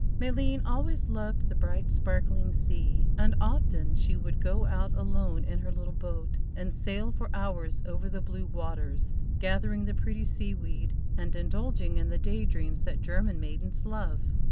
Maleen always loved the bright, sparkling sea, and often she would go out alone in her little boat, and sail for hours over the blue waters, gathering the pretty sea weed, and indulging in the day dreams that German maidens love.